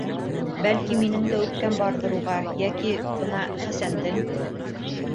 Бәлки, минең дә үпкәм барҙыр уға, йәки бына Хәсәндең?